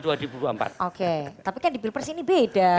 oke tapi kan di bilpers ini beda